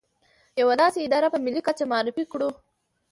يوه داسې اداره په ملي کچه معرفي کړو.